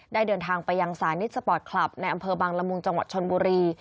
เดินทางไปยังสานิทสปอร์ตคลับในอำเภอบังละมุงจังหวัดชนบุรี